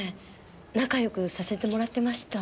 仲良くさせてもらってました。